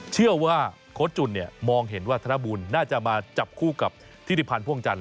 เชื่อว่าโค้ชจุ่นเนี่ยมองเห็นว่าธนบุญน่าจะมาจับคู่กับธิริพันธ์พ่วงจันท